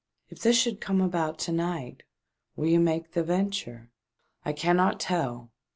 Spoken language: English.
"If this should come about to nioht will you make the venture ?"*' I cannot tell.